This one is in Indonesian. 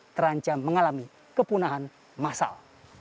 kondisi terancam mengalami kepunahan massal